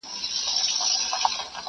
• دا کمال ستا د جمال دی,